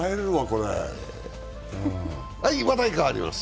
話題変わります。